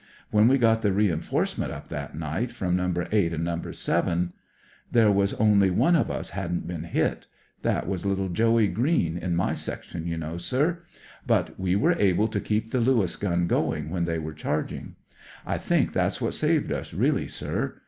When we got the rduiforcement up that night from CLOSE QUARTERS «7 No. 8 and No. 7 there was only one of us hadn't beoi hit; that was little Joey GL'een, in my section, you know, sir. But we were able to keep the Lewis gun going when they were charging. I think that's what saved us, really, sir.